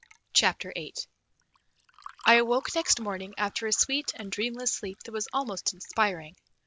CHAPTER VIII I awoke next morning after a sweet and dreamless sleep that was almost inspiring.